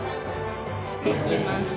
できました！